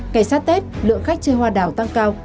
ngày sát tết lượng khách chơi hoa đào tăng cao